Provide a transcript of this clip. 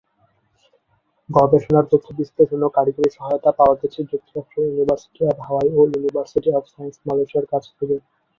গবেষণার তথ্য বিশ্লেষণ ও কারিগরি সহায়তা পাওয়া গেছে যুক্তরাষ্ট্রের ইউনিভার্সিটি অব হাওয়াই ও ইউনিভার্সিটি অব সায়েন্স মালয়েশিয়ার কাছ থেকে।